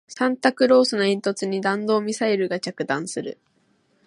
サンタクロースの煙突に弾道ミサイルが着弾する